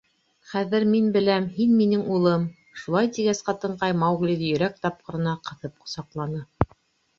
— Хәҙер мин беләм, һин — минең улым, — шулай тигәс, ҡатынҡай Мауглиҙы йөрәк тапҡырына ҡыҫып ҡосаҡланы.